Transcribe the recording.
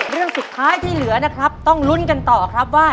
เรื่องสุดท้ายที่เหลือนะครับต้องลุ้นกันต่อครับว่า